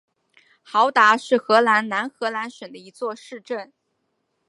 豪达是荷兰南荷兰省的一座市镇。